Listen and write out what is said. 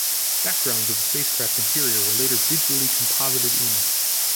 Backgrounds of the spacecraft interior were later digitally composited in.